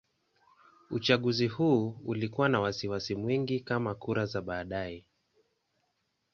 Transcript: Uchaguzi huu ulikuwa na wasiwasi mwingi kama kura za baadaye.